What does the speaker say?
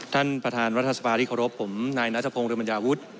ท่านประธานรัฐสภาที่เคารพผมนายนัทพงศ์ริมัญญาวุฒิ